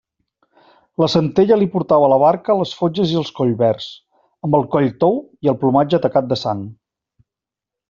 La Centella li portava a la barca les fotges i els collverds, amb el coll tou i el plomatge tacat de sang.